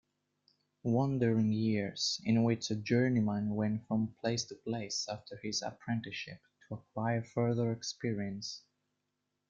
Wandering years, in which a journeyman went from place to place after his apprenticeship, to acquire further experience.